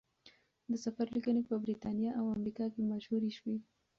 د سفر لیکنې په بریتانیا او امریکا کې مشهورې شوې.